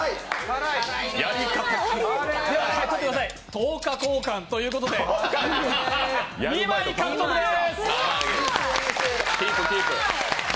等価交換ということで、２枚獲得です！